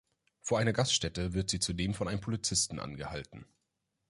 Vor einer Gaststätte wird sie zudem von einem Polizisten angehalten.